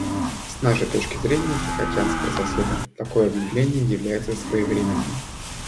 С нашей точки зрения тихоокеанского соседа такое объявление является своевременным.